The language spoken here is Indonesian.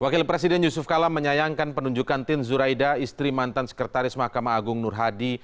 wakil presiden yusuf kala menyayangkan penunjukan tin zuraida istri mantan sekretaris mahkamah agung nur hadi